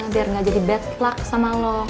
biar gak jadi bed luck sama lo